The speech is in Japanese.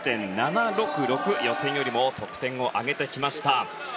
予選よりも得点を上げてきました。